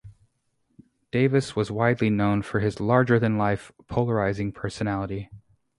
Davis was widely known for his "larger-than-life," "polarizing personality.